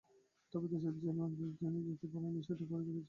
তবে দেশের হয়ে তিনি যেটা পারেননি, সেটাই করে দেখিয়েছেন ব্রাজিলের রোনালদো।